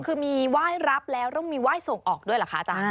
คือมีไหว้รับแล้วต้องมีไหว้ส่งออกด้วยเหรอคะอาจารย์